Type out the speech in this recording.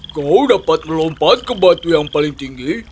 kau dapat melompat ke batu yang paling tinggi